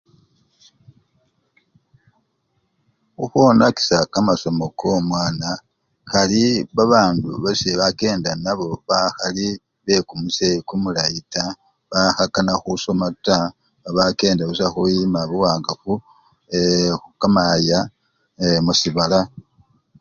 Khukhwonakisya kamasomo komwana kali babandu besibakenda nabo bakhali bekumuse kumulayi taa, bakhakana khusoma taa, babakenda busa khuyima buwangafu ee! kamaya ee! musibala.